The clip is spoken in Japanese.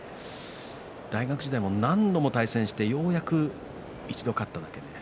大学時代に何度も対戦してようやく一度勝っただけ。